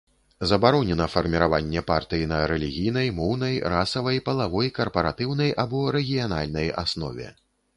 Забаронена фарміраванне партый на рэлігійнай, моўнай, расавай, палавой, карпаратыўнай або рэгіянальнай аснове.